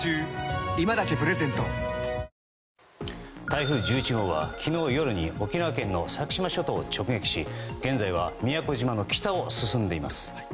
台風１１号は昨日夜に沖縄県の先島諸島を直撃し現在は宮古島の北を進んでいます。